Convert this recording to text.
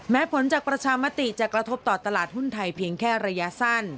ผลจากประชามติจะกระทบต่อตลาดหุ้นไทยเพียงแค่ระยะสั้น